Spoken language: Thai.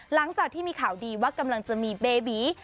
หลังจากที่มีข่าวดีว่ากำลังจะมีเบบี